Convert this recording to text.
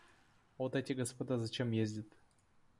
Вот эти господа зачем ездят?